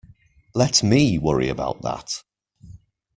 Let me worry about that.